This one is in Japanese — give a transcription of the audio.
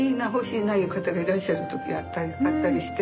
いう方がいらっしゃる時があったりして。